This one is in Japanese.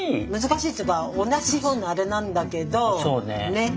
ねっ。